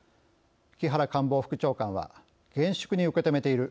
木原官房副長官は「厳粛に受け止めている。